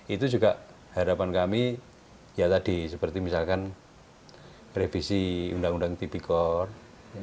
itu juga harapan kami ya tadi seperti misalkan revisi undang undang tipikor